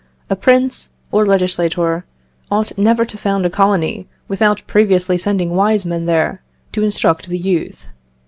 A prince, or legislator, ought never to found a colony without previously sending wise men there to instruct the youth....